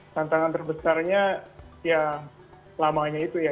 tantangan terbesarnya ya lamanya itu ya